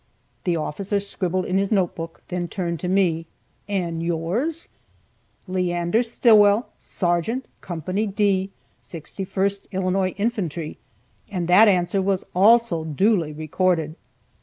The officer scribbled in his note book, then turned to me, "And yours?" "Leander Stillwell, sergeant Co. D, 61st Illinois Infantry;" and that answer was also duly recorded.